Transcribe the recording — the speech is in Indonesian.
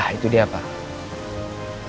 ah itu dia pak